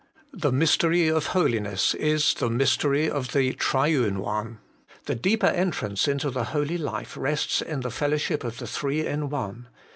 The mystery 148 HOLY IN CHRIST. of holiness is the mystery of the Triune One. The deeper entrance into the holy life rests in the fellow ship of the Three in One.